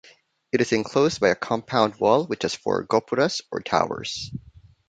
It is enclosed by a compound wall which has four gopuras or towers.